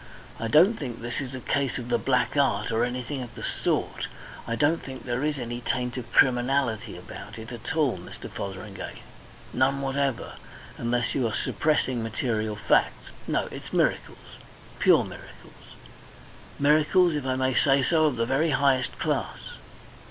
I don't think this is a case of the black art or anything of the sort. I don't think there is any taint of criminality about it at all, Mr. Fotheringay none whatever, unless you are suppressing material facts. No, it's miracles pure miracles miracles, if I may say so, of the very highest class."